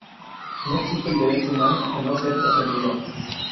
No existe el derecho humano a no ser ofendido".